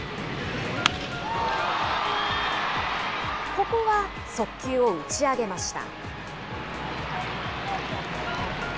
ここは速球を打ち上げました。